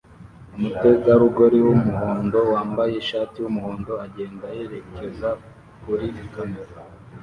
Umutegarugori wumuhondo wambaye ishati yumuhondo agenda yerekeza kuri kamera